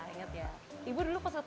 ibu dulu kasih padahal bicara apa sih